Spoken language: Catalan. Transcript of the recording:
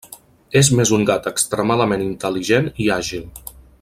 És més un gat extremadament intel·ligent i àgil.